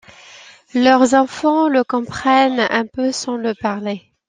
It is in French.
Leurs enfants le comprennent un peu sans le parler.